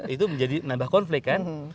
itu menjadi nambah konflik kan